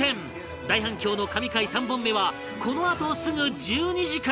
大反響の神回３本目はこのあとすぐ１２時から